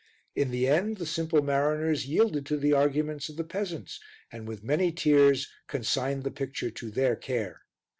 In the end the simple mariners yielded to the arguments of the peasants, and with many tears consigned the picture to their care.